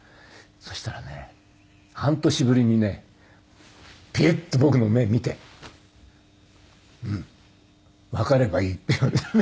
そしたらね半年ぶりにねピュッと僕の目を見て「うん。わかればいい」って言われて。